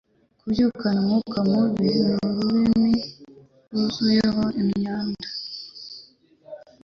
Kubyukana umwuka mubi n’ururimi rwuzuyeho imyanda